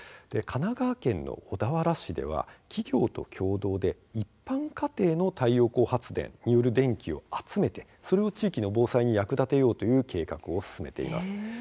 神奈川県の小田原市では企業と共同で一般家庭の太陽光発電による電気を集めてそれを地域の防災に役立てようという計画を進めています。